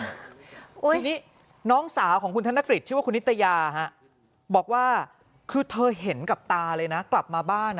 ทีนี้น้องสาวของคุณธนกฤษชื่อว่าคุณนิตยาบอกว่าคือเธอเห็นกับตาเลยนะกลับมาบ้าน